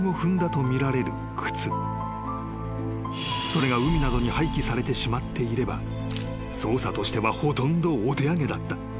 ［それが海などに廃棄されてしまっていれば捜査としてはほとんどお手上げだった］